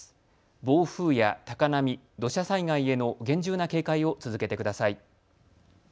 暴風や高波、土砂災害への厳重な警戒を続けてください。